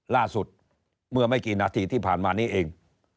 ล่าสุดเมื่อไม่กี่นาทีที่ผ่านมานี้เอง